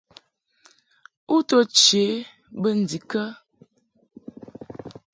U to che bə ndikə ?